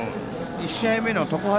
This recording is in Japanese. １試合目の常葉